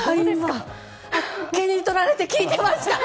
あっけにとられて聞いてました。